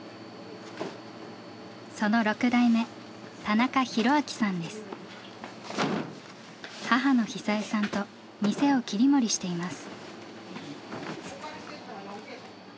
その６代目母の壽枝さんと店を切り盛りしています。